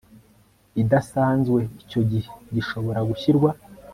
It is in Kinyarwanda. idasanzwe icyo gihe gishobora gushyirwa